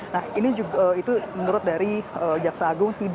nah ini itu menurut dari jaksa agung